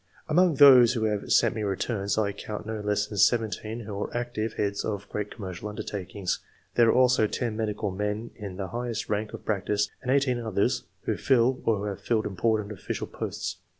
Among those who have sent me returns, I count no less than seventeen who are active heads of great commercial undertakings. There are also ten medical men in the highest rank of practice, and eighteen others who fill or have filled important official posts.